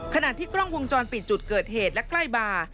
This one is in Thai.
ขณะที่กล้องวงจรปิดจุดเกิดเหตุและใกล้บาร์